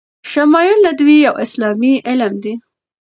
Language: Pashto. شمایل ندوی یو اسلامي علم ده